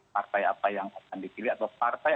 partai apa yang akan dipilih atau partai